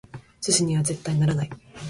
寿司には絶対にならない！